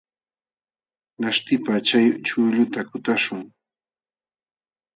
Laśhtipaq chay chuqlluta kutaśhun.